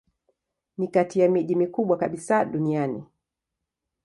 Ni kati ya miji mikubwa kabisa duniani.